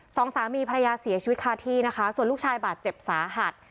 สองสามีภรรยาเสียชีวิตคาที่นะคะส่วนลูกชายบาดเจ็บสาหัส